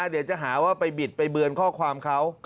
เดี๋ยวจะหาว่าไปบิดไปเบือนข้อความเขา